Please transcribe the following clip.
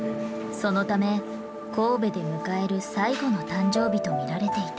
そのため神戸で迎える最後の誕生日と見られていた。